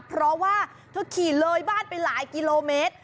เพราะว่าเธอขี่เลยบ้านไปหลายกิโลเมตร